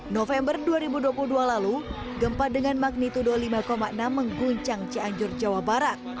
november dua ribu dua puluh dua lalu gempa dengan magnitudo lima enam mengguncang cianjur jawa barat